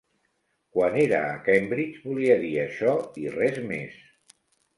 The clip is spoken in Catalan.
Quan era a Cambridge volia dir això i res més.